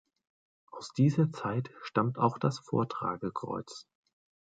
Aus dieser Zeit stammt auch das Vortragekreuz.